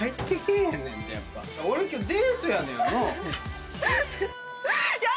今日デートやねんな？